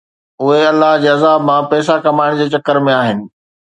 اهي الله جي عذاب مان پئسا ڪمائڻ جي چڪر ۾ آهن